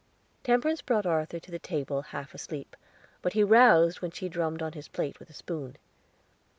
Temperance brought Arthur to the table half asleep, but he roused when she drummed on his plate with a spoon.